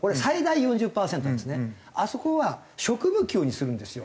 あそこは職務給にするんですよ。